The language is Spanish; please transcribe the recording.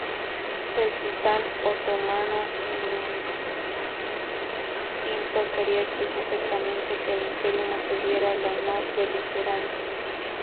El sultán otomano Mehmed V quería específicamente que el Imperio mantuviera la no-beligerancia.